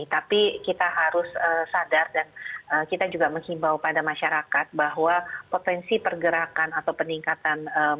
tapi kita harus sadar dan kita juga menghimbau pada masyarakat bahwa potensi pergerakan atau peningkatan